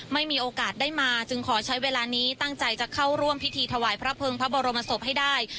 ไม่มีโอกาสได้มาจึงขอใช้เวลานี้ตั้งใจจะเข้าร่วมพิธีถวายพระเพิงพระบรมศพให้ได้